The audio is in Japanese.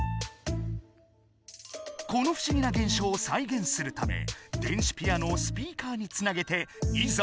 この不思議な現象をさい現するため電子ピアノをスピーカーにつなげていざ